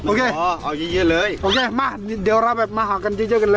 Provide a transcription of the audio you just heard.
โอเคอ๋อเอาเยอะเลยโอเคมาเดี๋ยวเราแบบมาหากันเยอะกันเลย